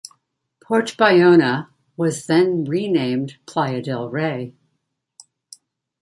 Port Ballona was then renamed Playa Del Rey.